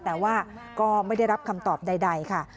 แต่ว่าก็ไม่ได้รับคำตอบใดค่ะ